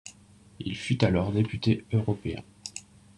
Il fut alors député européen.